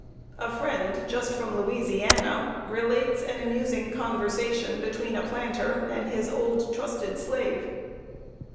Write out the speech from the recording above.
A friend just from Louisiana, relates an amusing conversation between a planter and an old, trusted slave.